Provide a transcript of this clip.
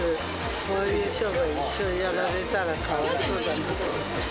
こういう商売、一生やられたらかわいそうだけど。